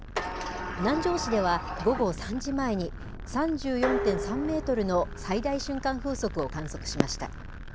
南城市では午後３時前に、３４．３メートルの最大瞬間風速を観測しました。